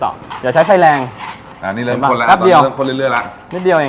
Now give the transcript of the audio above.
เดี๋ยวใช้ไฟแรงอ่านี่เริ่มคนแล้วตอนนี้เริ่มคนเรื่อยเรื่อยละนิดเดียวเอง